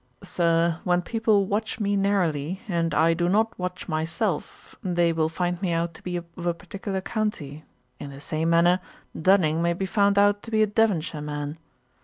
Sir, when people watch me narrowly, and I do not watch myself, they will find me out to be of a particular county. In the same manner, Dunning may be found out to be a Devonshire man.